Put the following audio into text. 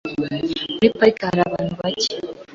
Muri parike hari abantu bake .